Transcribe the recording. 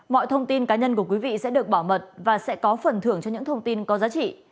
mọi thông tin cá nhân của quý vị sẽ được bảo mật và sẽ có phần thưởng cho những thông tin có giá trị